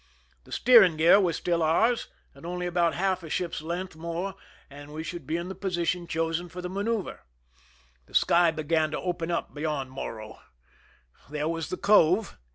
The steering gear was still ours, and only about half a ship's length more and we should be in the position chosen for the manoeuver. The sky began to open up beyond Morro. There was the cove.